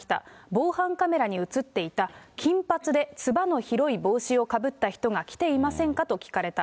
防犯カメラに写っていた金髪で、つばの広い帽子をかぶった人が来ていませんか？と聞かれた。